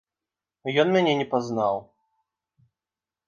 Ён мяне не пазнаў.